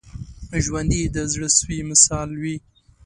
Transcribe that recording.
ژوندي د زړه سوي مثال وي